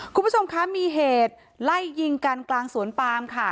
คุณผู้ชมคะมีเหตุไล่ยิงกันกลางสวนปามค่ะ